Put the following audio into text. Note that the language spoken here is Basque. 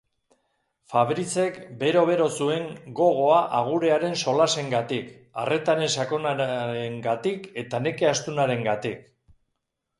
Fabricek bero-bero zuen gogoa agurearen solasengatik, arretaren sakonarengatik eta neke astunarengatik.